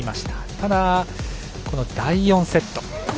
ただ、第４セット。